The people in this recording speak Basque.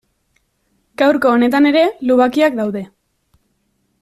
Gaurko honetan ere lubakiak daude.